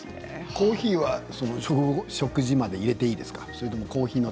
コーヒーは食事に入れてもいいですか？